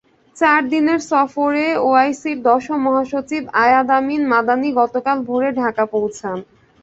চার দিনের সফরে ওআইসির দশম মহাসচিব আয়াদ আমিন মাদানি গতকাল ভোরে ঢাকায় পৌঁছান।